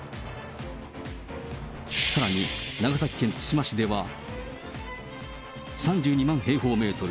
さらに、長崎県対馬市では、３２万平方メートル。